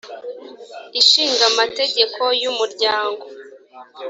ishinga amategeko y umuryango